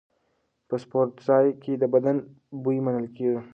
په سپورتځای کې بدن بوی منل کېږي.